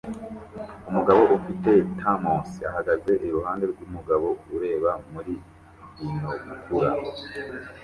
Umugabo ufite thermos ahagaze iruhande rwumugabo ureba muri binokula